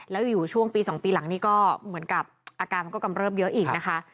แล้วอยู่ช่วงปี๒ปีหลังนี้ก็เหมือนกับอาการมันก็กำเริบเยอะอีกนะคะ